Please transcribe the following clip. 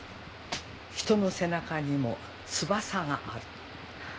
「人の背中にも翼がある」。